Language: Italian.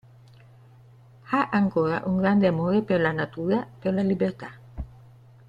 Ha ancora un grande amore per la natura, per la libertà.